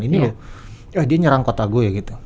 ini loh ya dia nyerang kota gue gitu